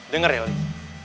dengar ya lies